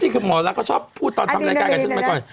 ที่คือหมอละก็ชอบพูดตอนทำรายการกับฉันมาก่อน